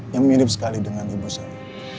yang mirip sekali dengan ibu saya